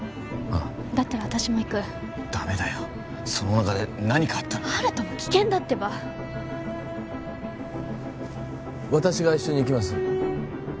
ああだったら私も行くダメだよそのおなかで何かあったら温人も危険だってば私が一緒に行きます